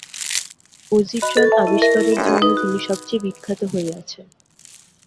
Positron আবিষ্কারের জন্য তিনি সবচেয়ে বিখ্যাত হয়ে আছেন।